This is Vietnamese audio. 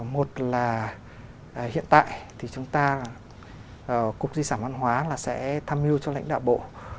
một là hiện tại thì chúng ta là cục di sản văn hóa là sẽ tham mưu cho lãnh đạo bộ